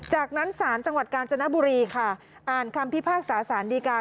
จากนั้นศาลจังหวัดกาญจนบุรีค่ะอ่านคำพิพากษาสารดีการ